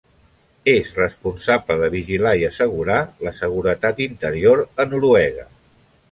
És responsable de vigilar i assegurar la seguretat interior a Noruega.